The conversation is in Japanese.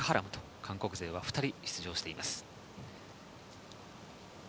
韓国勢は２人出場しています。